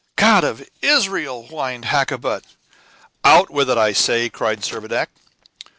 "God of Israel!" whined Hakkabut. "Out with it, I say!" cried Servadac.